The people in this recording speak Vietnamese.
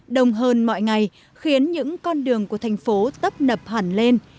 đông hơn mọi ngày khiến những con đường của thành phố tấp nập hẳn lên